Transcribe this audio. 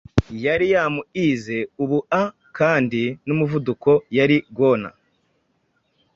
Yari yaramuize ubua, kandi numuvuduko yari gon